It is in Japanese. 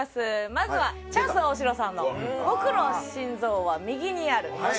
まずはチャンス大城さんの『僕の心臓は右にある』。